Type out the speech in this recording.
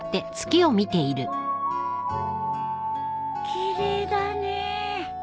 奇麗だね。